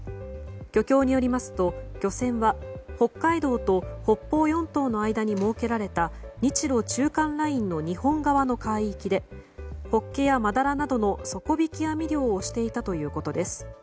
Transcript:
漁協によりますと漁船は北海道と北方四島の間に設けられた日露中間ラインの日本側の海域でホッケやマダラなどの底引き網漁をしていたということです。